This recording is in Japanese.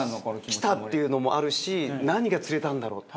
きた！っていうのもあるし何が釣れたんだろう？って。